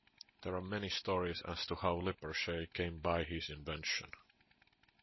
There are many stories as to how Lippershey came by his invention.